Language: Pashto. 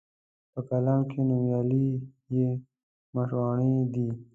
په قلم کښي نومیالي یې مشواڼي دي